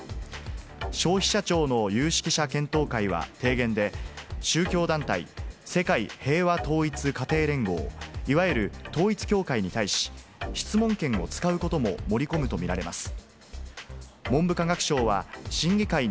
消費者庁の有識者検討会は提言で、宗教団体、世界平和統一家庭連合、いわゆる統一教会に対し、質問権を使うことも盛り込むと見られます。